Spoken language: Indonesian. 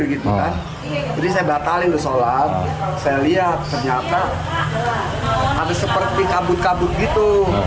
gitu kan jadi saya batalin udah sholat saya lihat ternyata ada seperti kabut kabut gitu